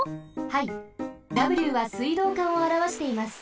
はいＷは水道管をあらわしています。